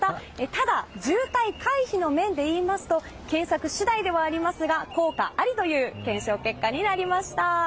ただ、渋滞回避の面でいいますと検索次第ではありますが効果ありという検証結果になりました。